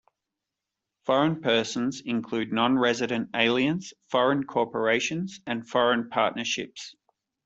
Foreign persons include nonresident aliens, foreign corporations, and foreign partnerships.